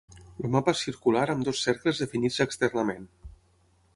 El mapa és circular amb dos cercles definits externament.